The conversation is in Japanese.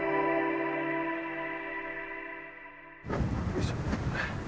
よいしょ。